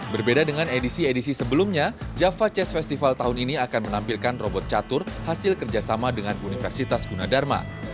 berbeda dengan edisi edisi sebelumnya java chess festival tahun ini akan menampilkan robot catur hasil kerjasama dengan universitas gunadharma